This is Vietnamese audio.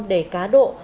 để cá độ